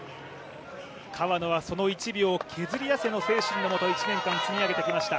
川野は「その１秒を削り出せ」の精神のもと１年間積み上げてきました。